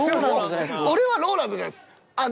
俺はＲＯＬＡＮＤじゃないですあっ